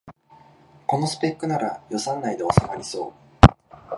このスペックなら予算内でおさまりそう